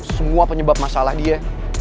semua penyebab masalah dia